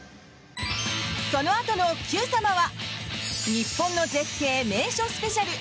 そのあとの「Ｑさま！！」は日本の絶景・名所スペシャル。